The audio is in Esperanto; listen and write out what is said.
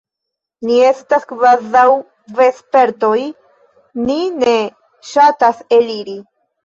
Ni estas kvazaŭ vespertoj: ni ne ŝatas eliri.